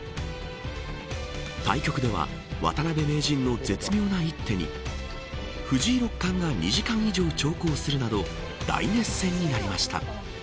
対局では渡辺名人の絶妙な一手に藤井六冠が２時間以上長考するなど大熱戦になりました。